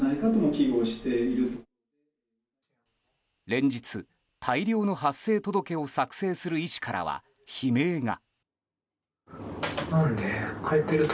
連日、大量の発生届を作成する医師からは悲鳴が。